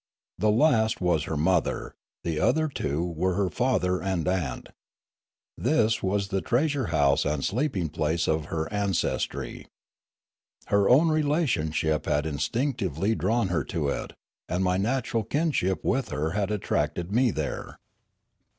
The last was her mother; the other two were her father and aunt. This was the treasure house and sleeping place of her ancestry. Her own relation ship had instinctively drawn her to it, and my natural kinship with her had attracted me there.